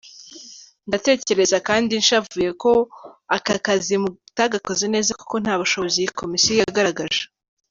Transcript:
Ndatekereza kandi nshavuye ko aka kazi mutagakoze neza kuko nta bushishozi iyi komisiyo yagaragaje.